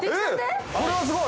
これはすごい！